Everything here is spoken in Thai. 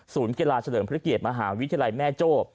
ศูนย์เกลาะเฉลินพระเกียรติมหาวิทยาลัยแม่โจ๊ก